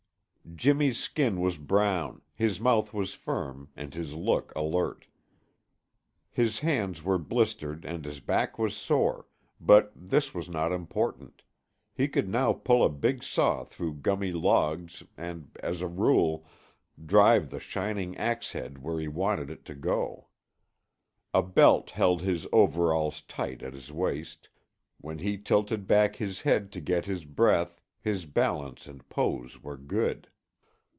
Jimmy's skin was brown, his mouth was firm, and his look alert. His hands were blistered and his back was sore, but this was not important. He could now pull a big saw through gummy logs and, as a rule, drive the shining ax head where he wanted it to go. A belt held his overalls tight at his waist; when he tilted back his head to get his breath his balance and pose were good.